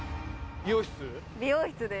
美容室です。